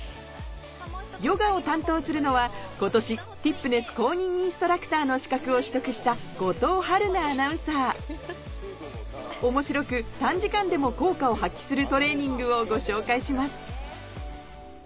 ヨガを担当するのは今年ティップネス公認インストラクターの資格を取得した後藤晴菜アナウンサー面白く短時間でも効果を発揮するトレーニングをご紹介します